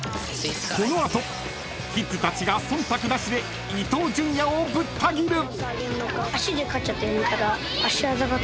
［この後キッズたちが忖度なしで伊東純也をぶった斬る］